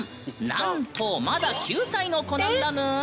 なんとまだ９歳の子なんだぬん。